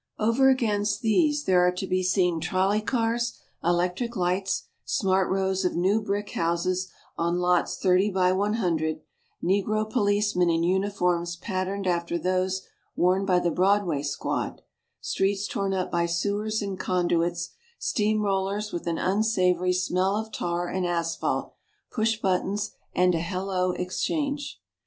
Over against these there are to be seen trolley cars, electric lights, smart rows of new brick houses on lots thirty by one hundred, negro policemen in uniforms patterned after those worn by the Broadway Squad, streets torn up by sewers and conduits, steam rollers with an unsavory smell of tar and asphalt, push buttons and a Hello Exchange.